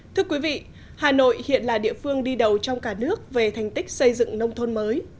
thưa quý vị hà nội hiện là địa phương đi đầu trong cả nước về thành tích xây dựng nông thôn mới